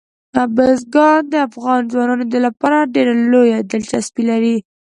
بزګان د افغان ځوانانو لپاره ډېره لویه دلچسپي لري.